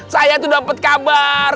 saya tuh dapet kabar